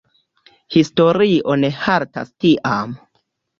Historio ne haltas tiam.